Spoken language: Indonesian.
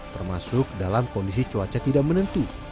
termasuk dalam kondisi cuaca tidak menentu